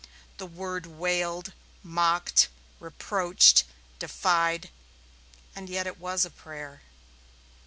The word wailed, mocked, reproached, defied and yet it was a prayer.